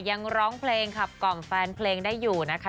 ร้องเพลงขับกล่อมแฟนเพลงได้อยู่นะคะ